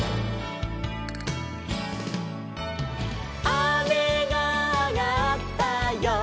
「あめがあがったよ」